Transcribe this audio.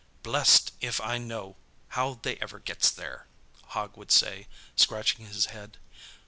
"Blest if I know how they ever gets there!" Hogg would say, scratching his head.